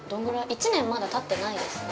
１年間まだたってないですね。